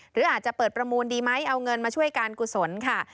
หรืออาจจะเปิดประมูลดีไหมเอาเงินมาช่วยการกุศลค่ะ